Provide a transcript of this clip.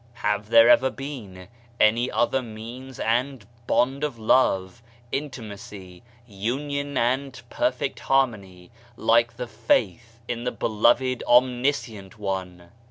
Have there ever been any other means and bond of love, intimacy, union and perfect harmony like the faith in the beloved Omniscient One?